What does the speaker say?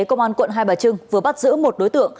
công an quận hai bà trưng vừa bắt giữ một đối tượng